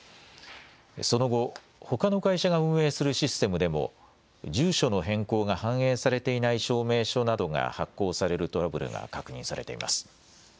その後、ほかの会社が運営するシステムでも住所の変更が反映されていない証明書などが発行されるトラブルが確認されています。